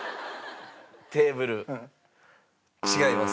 テーブル違います。